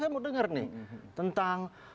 saya mau dengar nih tentang